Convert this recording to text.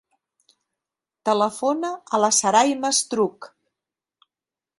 Telefona a la Sarayma Estruch.